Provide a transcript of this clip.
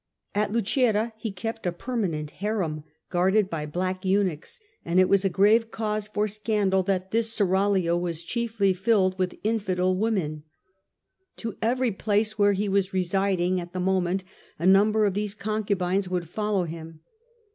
At Lucera he kept a permanent harem, guarded by black eunuchs, and it was a grave cause for scandal that this seraglio was chiefly filled with infidel women. To every place where he was residing at the moment a number of these concubines would follow him.